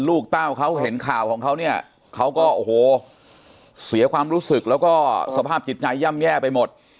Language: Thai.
เต้าเขาเห็นข่าวของเขาเนี่ยเขาก็โอ้โหเสียความรู้สึกแล้วก็สภาพจิตใจย่ำแย่ไปหมด